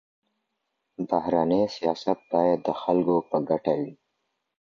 بهرنی سیاست باید د خلګو په ګټه وي.